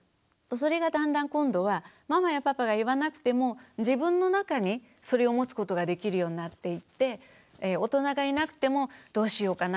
それがだんだん今度はママやパパが言わなくても自分の中にそれを持つことができるようになっていって大人がいなくてもどうしようかな